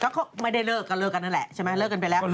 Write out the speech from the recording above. ก็ไม่ได้เลิกก็เลิกกันนั่นแหละใช่ไหมเลิกกันไปแล้ว